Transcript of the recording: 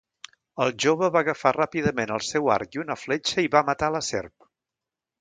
El jove va agafar ràpidament el seu arc i una fletxa i va matar la serp.